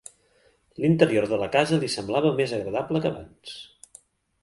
L'interior de la casa li semblava més agradable que abans.